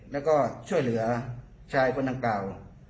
แล้วก็ช่วยเหลือชายคนดังกล่าว